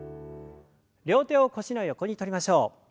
両手を腰の横にとりましょう。